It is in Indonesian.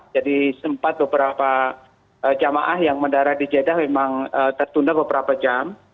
jadi sempat beberapa jamaah yang mendarat di jedah memang tertunda beberapa jam